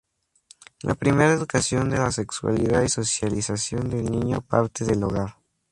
La primera educación de la sexualidad y socialización del niño parte del hogar.